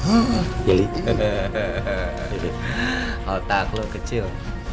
otak lo kecil